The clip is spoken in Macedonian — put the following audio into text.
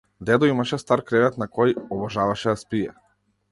Дедо имаше стар кревет на кој обожаваше да спие.